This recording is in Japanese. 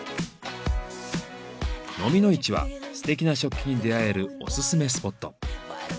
のみの市はすてな食器に出会えるオススメスポット。